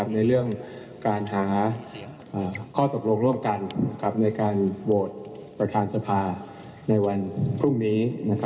ในเรื่องการหาข้อตกลงร่วมกันในการโหวตประธานสภาในวันพรุ่งนี้